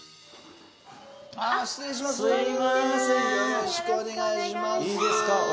よろしくお願いします